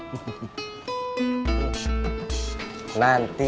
masih ada yang lagi